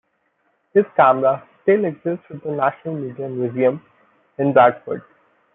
His camera still exists with the National Media Museum in Bradford.